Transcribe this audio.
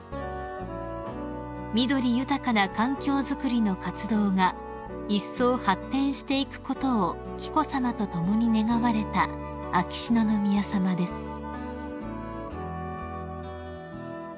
［緑豊かな環境づくりの活動がいっそう発展していくことを紀子さまと共に願われた秋篠宮さまです］